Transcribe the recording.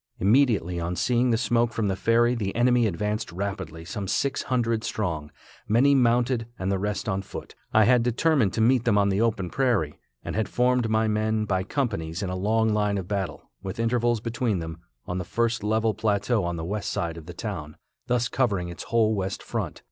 Immediately on seeing the smoke from the ferry the enemy advanced rapidly, some six hundred strong, many mounted and the rest on foot. I had determined to meet them on the open prairie, and had formed my men by companies in a long line of battle, with intervals between them, on the first level plateau on the west side of the town, thus covering its whole west front.